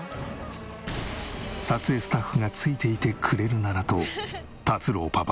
撮影スタッフがついていてくれるならと達郎パパ